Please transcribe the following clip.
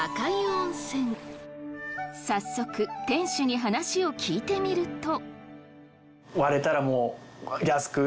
早速店主に話を聞いてみると。